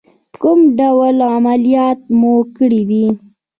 کوم ډول عملیات مو کړی دی؟